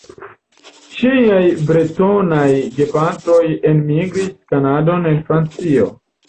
Ŝiaj bretonaj gepatroj enmigris Kanadon el Francio.